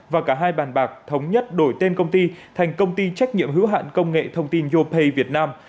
và cả hai bàn bạc thống nhất đổi tên công ty thành công ty trách nhiệm hữu hạn công nghệ thông tin yopay việt nam